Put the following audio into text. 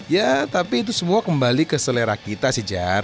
ya tapi itu semua kembali ke selera kita sih jan